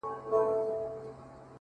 اې غمه جانه- گرانه- صدقانه- سرگردانه-